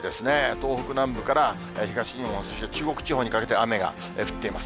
東北南部から東日本、そして中国地方にかけて雨が降っています。